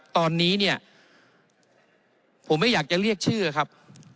ตอนนี้เนี่ยผมไม่อยากจะเรียกชื่อครับ